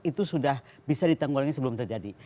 itu sudah bisa ditanggulangi sebelum terjadi